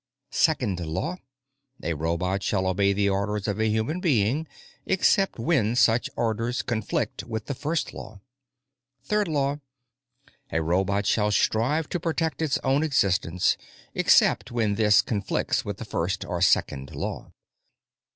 _ Second Law: A robot shall obey the orders of a human being, except when such orders conflict with the First Law. _Third Law: A robot shall strive to protect its own existence, except when this conflicts with the First or Second Law.